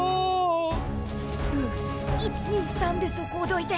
ルー１２３でそこをどいて。